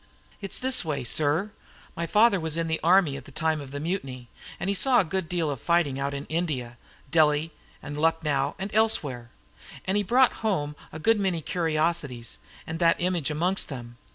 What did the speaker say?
It was this way, sir: My father was in the army at the time of the Mutiny, and he saw a good deal of fighting out in India Delhi and Lucknow and elsewhere and he brought home a good many curiosities, and that image amongst them.